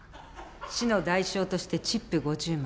死の代償としてチップ５０枚。